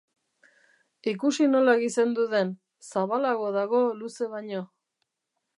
Ikusi nola gizendu den, zabalago dago luze baino.